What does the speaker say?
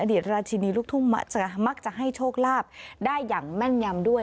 ราชินีลูกทุ่งมักจะมักจะให้โชคลาภได้อย่างแม่นยำด้วย